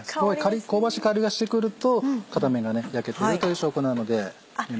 香ばしい香りがしてくると片面が焼けているという証拠なのであっ！